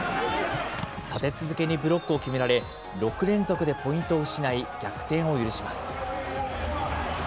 立て続けにブロックを決められ、６連続でポイントを失い、逆転を許します。